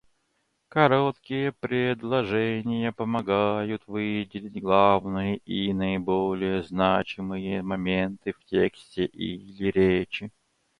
Короткие предложения помогают выделить главные и наиболее значимые моменты в тексте или речи.